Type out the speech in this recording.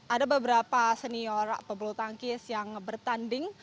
ada beberapa senior pebulu tangkis yang bertanding